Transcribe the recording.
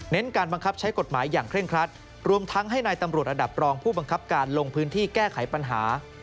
การบังคับใช้กฎหมายอย่างเคร่งครัดรวมทั้งให้นายตำรวจระดับรองผู้บังคับการลงพื้นที่แก้ไขปัญหา